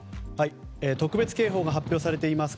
特別警報が発表されています